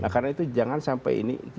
karena itu jangan sampai ini